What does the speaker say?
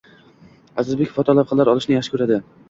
Azizbek foto lavhalar olishni yaxshi ko'radi